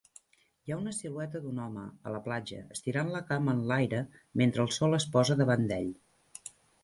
Hi ha una silueta d'un home a la platja estirant la cama en l'aire mentre el sol es posa davant d'ell.